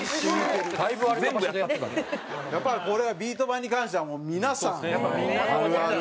やっぱりこれはビート板に関してはもう皆さんあるある。